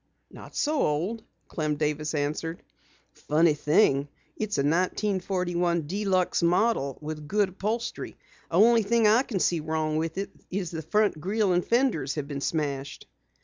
"Not so old," Clem Davis answered. "Funny thing, it's a 1941 Deluxe model with good upholstery. The only thing I can see wrong with it is that the front grill and fenders have been smashed."